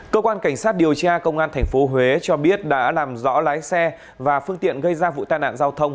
cơ quan cảnh sát điều tra công an tp huế cho biết đã làm rõ lái xe và phương tiện gây ra vụ tai nạn giao thông